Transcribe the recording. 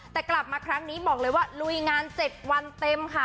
แต่กลับมาครั้งนี้บอกเลยว่าลุยงาน๗วันเต็มค่ะ